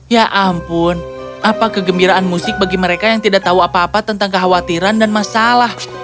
ya ampun apa kegembiraan musik bagi mereka yang tidak tahu apa apa tentang kekhawatiran dan masalah